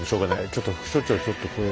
ちょっと副所長ちょっとこれ。